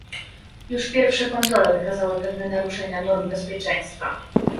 Już pierwsze kontrole wykazały pewne naruszenia norm bezpieczeństwa